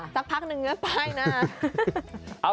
สักพักหนึ่งไปนะ